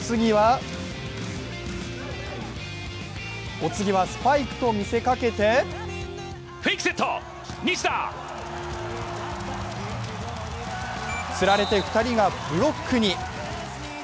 お次はスパイクと見せかけてつられて２人がブロックに。